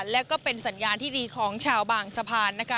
และก็เป็นสัญญาณที่ดีของชาวบางสะพานนะคะ